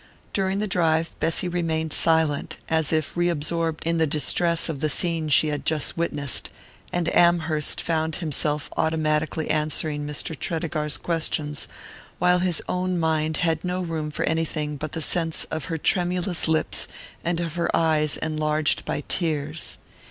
During the drive Bessy remained silent, as if re absorbed in the distress of the scene she had just witnessed; and Amherst found himself automatically answering Mr. Tredegar's questions, while his own mind had no room for anything but the sense of her tremulous lips and of her eyes enlarged by tears.